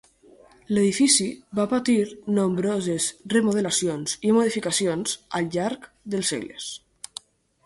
L'edifici va patir nombroses remodelacions i modificacions al llarg dels segles.